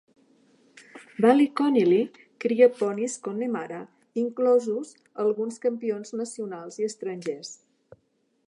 Ballyconneely cria ponis Connemara, inclosos alguns campions nacionals i estrangers.